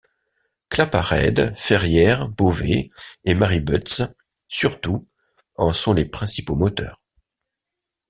Claparède, Ferrière, Bovet et Marie Butts surtout en sont les principaux moteurs.